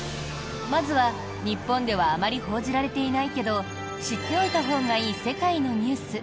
まずは、日本ではあまり報じられていないけど知っておいたほうがいい世界のニュース